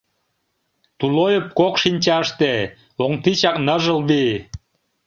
Тулойып кок шинчаште, Оҥ тичак — ныжыл вий.